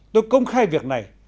tôi công khai việc này